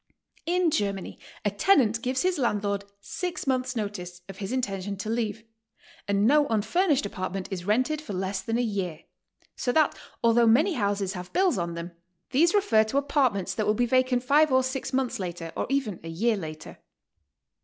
In Germany a tenant gives his landlord six months' notice of his intention to leave; and no unfurnished apart HOW TO STAY. 155 men't is rented for less than a year; so that, althoug'h many houses have bills on them, these refer to apartments that will be vacant five or six months later, or even a year later.